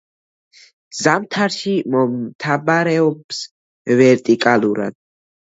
ზამთარში მომთაბარეობს ვერტიკალურად.